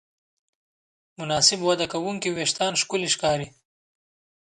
مناسب وده کوونکي وېښتيان ښکلي ښکاري.